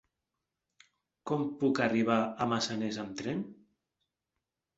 Com puc arribar a Massanes amb tren?